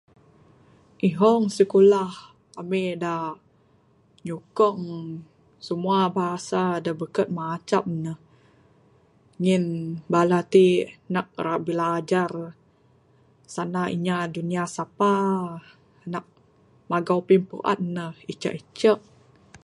Ihong sikulah ami dak nyukong semua bahasa dak beken macam ne ngin bala ti nak ra bilajar sanda inya dunia sepa nak megau pimpuan ne icek icek.